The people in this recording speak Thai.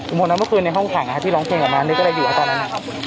อุโมน้ำเมื่อคืนในห้องแข่งนะครับที่ร้องเพลงกับน้องนึกอะไรอยู่ตอนนั้น